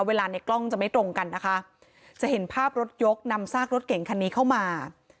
ในกล้องจะไม่ตรงกันนะคะจะเห็นภาพรถยกนำซากรถเก่งคันนี้เข้ามา